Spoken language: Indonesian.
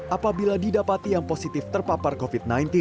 apabila didapati yang positif terpapar covid sembilan belas